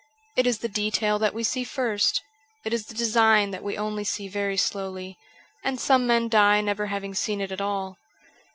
It is the detail that we see first ; it is the design that we only see very slowly, and some men die never having seen it at all.